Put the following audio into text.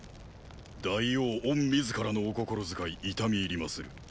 大王御自らのお心づかい痛み入りまする。